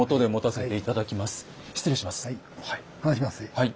はい。